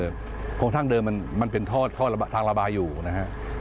พร้อมสร้างเดิมมันเป็นทอดทางระบายอยู่นะครับ